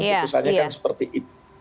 khususannya kan seperti itu